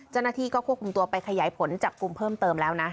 เจ้าหน้าที่ก็ควบคุมตัวไปขยายผลจับกลุ่มเพิ่มเติมแล้วนะ